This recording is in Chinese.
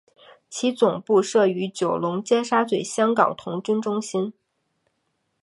其总部设于九龙尖沙咀香港童军中心。